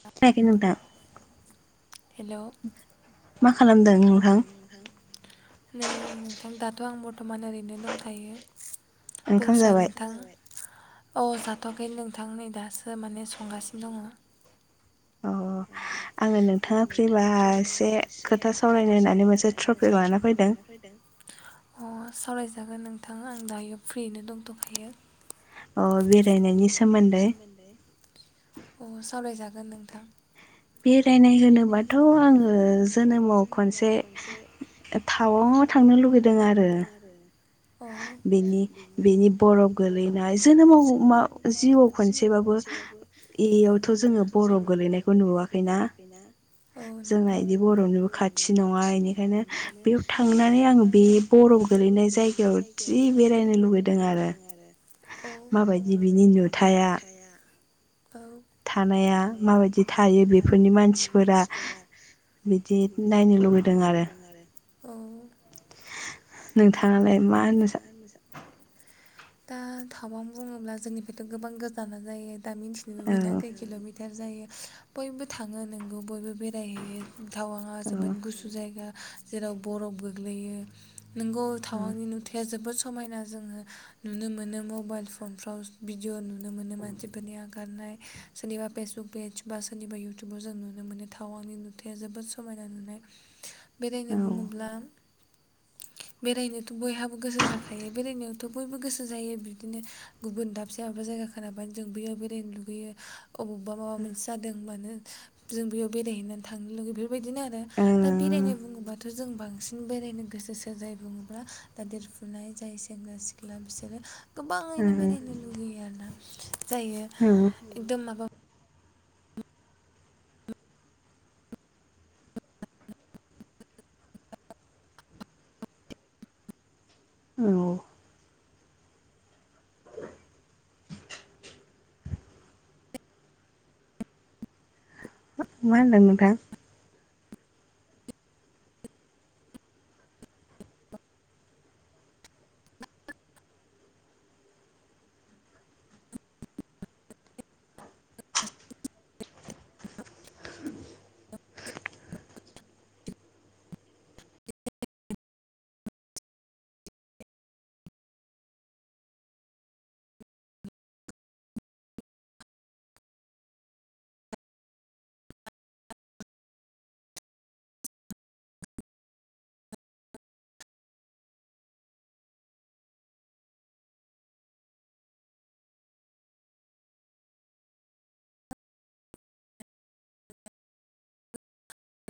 खोनायाखै नोंथां हेलौ मा खालामदों नोंथां? नै नोंथां दाथ' आं बर्थमान ओरैनो दंखायो बुंंसाय नोंथां औ जाथ'याखै नोंथां नै दासो माने संगासिनो दङ' [inaudible] आङो नोंथाङा फ्रिबा एसे खोथा सावरायनो होननानै मोनसे टफिक लाना फैदों अ सावरायजागोन नोंथां आं दायो फ्रियैनो दंथ'खायो ओ बेरायनायनि सोमोन्दै अ सावरायजागोन नोंथां बेरायनाय होनोबाथ' आङो जोनोमाव खनसे टावांआव थांनो लुगैदों आरो अ औ बेनि बेनि बरफ गोलैनाय जोनोमाव उम जिउआव खनसेबाबो इयावथ' जोङो बरफ गोलैनायखौ नुनो नुवाखैना, औ नंगौ, जोंना बिदि बरफनिबो खाथि नङा बेनिखायनो बे आं बे बरफ गोलैनाय जाय जायगायाव जि बेरायनो लुबैदों आरो औ माबायदि बिनि नुथाया थानाया माबायदि थायो बेफोरनि मानसिफोरा बिदिखौ नायनो लुबैदों आरो। नोंथाङालाय मा होनो? दा थावां होनना बुङोब्ला जोंनिफ्रायथ' गोबां गोजाना जायो दा मिन्थिनोबो मोना खै किल'मिटार जायो बयबो थाङो नोंगौ बयबो बेरायहैयो टावाङा जोबोद गुसु जायगा जेराव बरफ गोग्लैयो। नोंगौ थावांनि नुथाया जोबोद समायना जोङो नुनो मोनो मबाइल फनफ्राव भिडिअ नुनो मोनो मानसिफोरनि हेगारनाय सोरनिबा फेसबुक पेज बा सोरनिबा इउटुब टुबाव जों नुनो मोनो थाव आंनि नुथाया जोबोद समायना नुनाय बेरायनो बुङोब्ला [inaudible] बेरायनोथ' बयहाबो गोसो जाखायो बेरायनोावथ' बयबो गोसो जायो बिदिनो गुबुन दाबसे दाबसे जायगा खोनाबानो जों बियो बेरायनो लुगैयो अबावबा माबा मोनसे जादों मानो जों बेयाव बेरायहैनानै थांनो लुगैयो बेफोरबायदिनो आरो दा बेरायनो बुङोबाथ' जों बांसिन बेरायनो गोसोसो जाय बुङोब्ला दा देरफुनाय जाय सेंग्रा सिख्ला बिसोरो गोबाङैनो बेरायनो लुुबैयो आरोना जायो एकदम माबा औ मा होनदों नोंथां [inaudible] [inaudible] [inaudible]